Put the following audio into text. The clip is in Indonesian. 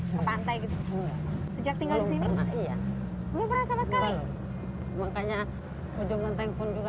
ke pantai gitu sejak tinggal di sini iya belum pernah sama sekali makanya ujung menteng pun juga